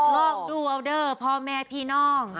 ลองดูออเดอร์พ่อแม่พี่น้อง